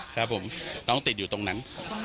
ครับผมน้องติดอยู่ตรงนั้น